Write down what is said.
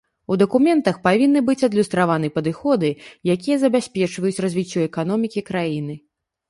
У дакументах павінны быць адлюстраваны падыходы, якія забяспечваюць развіццё эканомікі краіны.